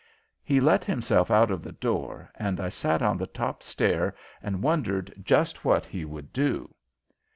He let himself out of the door and I sat on the top stair and wondered just what he would do.